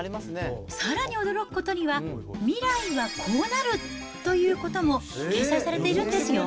さらに驚くことには、未来はこうなるということも、掲載されているんですよ。